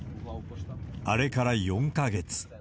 あれから４か月。